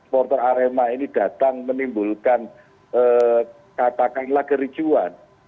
porter arema ini datang menimbulkan katakanlah kericuan